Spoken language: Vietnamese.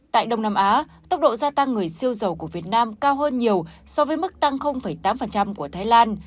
tại đông nam á tốc độ gia tăng người siêu dầu của việt nam cao hơn nhiều so với mức tăng tám của thái lan